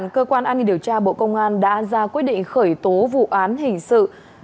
cơ quan an ninh điều tra bộ công an đã ra quyết định khởi tố vụ án hình sự